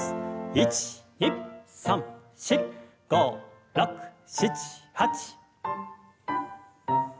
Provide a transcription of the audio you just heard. １２３４５６７８。